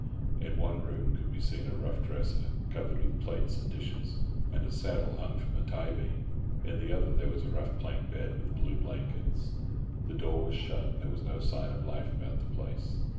In one room could be seen a rough dresser covered with plates and dishes, and a saddle hung from a tie beam; in the other there was a rough plank bed with blue blankets. The door was shut, and there was no sign of life about the place.